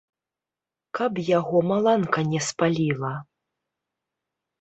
Каб яго маланка не спаліла!